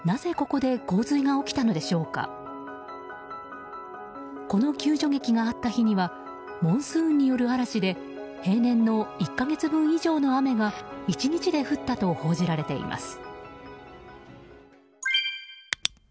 この救助劇があった日にはモンスーンによる嵐で平年の１か月分以上の雨が１日で降ったと報じられています。